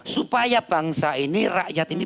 supaya bangsa ini rakyat ini